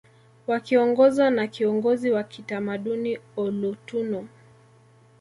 Wakiongozwa na kiongozi wa kitamaduni olotuno